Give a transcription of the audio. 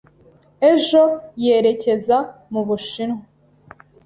Ejo [Yerekeza] mu Bushinwa.